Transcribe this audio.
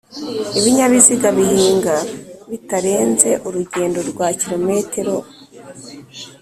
ibinyabiziga bihinga bitarenze urugendo rwa km